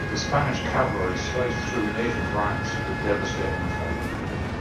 The Spanish cavalry sliced through native ranks with devastating effect.